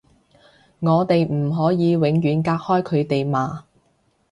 我哋唔可以永遠隔開佢哋嘛